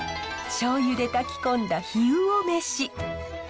しょうゆで炊き込んだ氷魚めし。